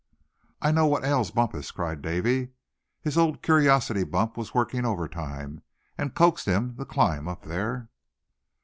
"I know what ails Bumpus," cried Davy; "his old curiosity bump was working overtime, and coaxed him to climb up there."